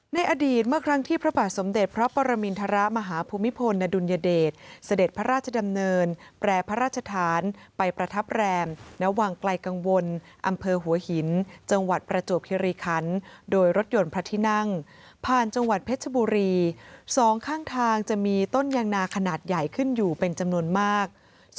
ในอดีตเมื่อครั้งที่พระบาทสมเด็จพระปรมินทรมาฮภูมิพลอดุลยเดชเสด็จพระราชดำเนินแปรพระราชฐานไปประทับแรมณวังไกลกังวลอำเภอหัวหินจังหวัดประจวบคิริคันโดยรถยนต์พระที่นั่งผ่านจังหวัดเพชรบุรีสองข้างทางจะมีต้นยางนาขนาดใหญ่ขึ้นอยู่เป็นจำนวนมาก